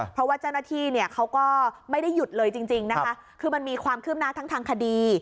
เพราะว่าเจ้าหน้าที่เนี่ยเขาก็ไม่ได้หยุดเลยจริงนะคะคือมันมีความคืบหน้าทั้งทางคดี